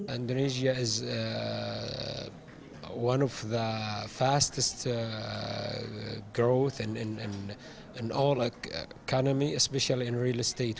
indonesia adalah salah satu peningkatan yang paling cepat di semua ekonomi terutama di real estate